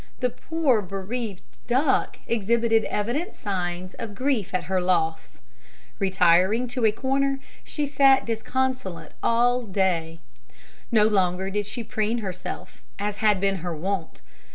The poor bereaved duck exhibited evident signs of grief at her loss. Retiring into a corner, she sat disconsolate all day. No longer did she preen herself, as had been her wont.